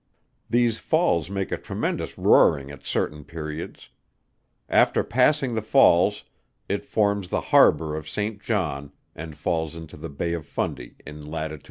These falls make a tremendous roaring at certain periods. After passing the falls, it forms the harbour of St. John, and falls into the Bay of Fundy in lat.